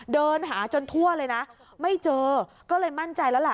เดินหาจนทั่วเลยนะไม่เจอก็เลยมั่นใจแล้วแหละ